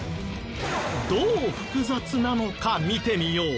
どう複雑なのか見てみよう。